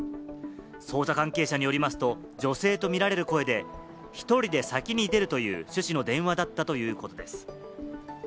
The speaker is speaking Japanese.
捜査関係者によりますと、女性とみられる声で、１人で先に出るという趣旨の電話だったということです。